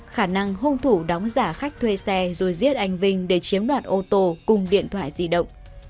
khả năng hung thủ đóng giả khách thuê xe rồi giết anh vinh để chiếm đoạt ô tô cùng điện thoại di động